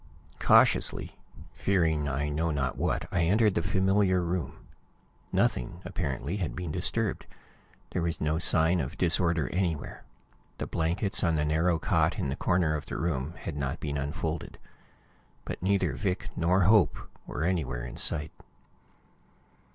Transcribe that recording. Cautiously, fearing I know not what, I entered the familiar room. Nothing, apparently, had been disturbed. There was no sign of disorder anywhere. The blankets on the narrow cot in the corner of the room had not been unfolded. But neither Vic nor Hope were anywhere in sight.